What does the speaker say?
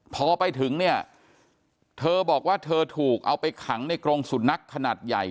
พอไปถึงเนี่ยเธอบอกว่าเธอถูกเอาไปขังในกรงสุนัขขนาดใหญ่